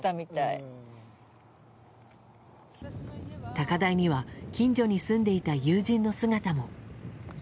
高台には近所に住んでいた友人の姿も。